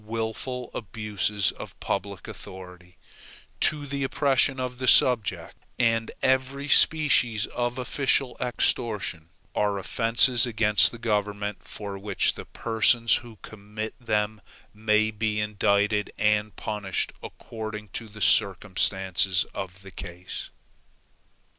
Wilful abuses of a public authority, to the oppression of the subject, and every species of official extortion, are offenses against the government, for which the persons who commit them may be indicted and punished according to the circumstances of the case.